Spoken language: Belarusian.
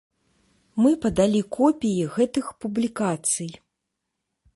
Мы падалі копіі гэтых публікацый.